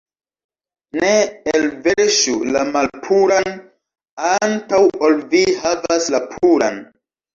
Ne elverŝu la malpuran, antaŭ ol vi havas la puran.